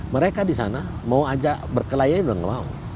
mereka di sana mau ajak berkelayainya sudah tidak mau